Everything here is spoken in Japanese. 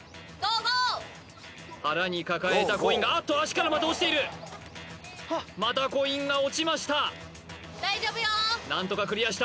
腹に抱えたコインがあっと足からまた落ちているまたコインが落ちました何とかクリアした